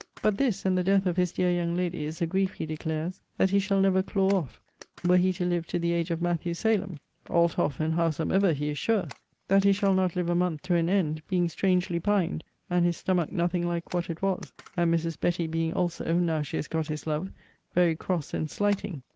But this, and the death of his dear young lady, is a grief, he declares, that he shall never claw off, were he to love to the age of Matthew Salem; althoff, and howsomever, he is sure, that he shall not live a month to an end: being strangely pined, and his stomach nothing like what it was; and Mrs. Betty being also (now she has got his love) very cross and slighting.